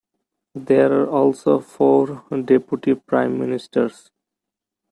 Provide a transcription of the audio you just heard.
There are also four deputy prime ministers.